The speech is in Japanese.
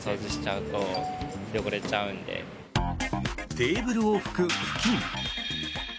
テーブルを拭く布巾。